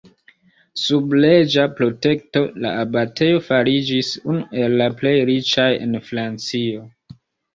Sub reĝa protekto, la abatejo fariĝis unu el la plej riĉaj en Francio.